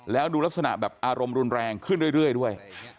แล้วดูลักษณะแบบอารมณ์รุนแรงขึ้นเรื่อยด้วย